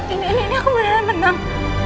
ini aku beneran menang